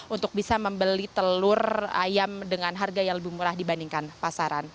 untuk bisa membeli telur ayam dengan harga yang lebih murah dibandingkan pasaran